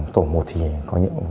tổ một có những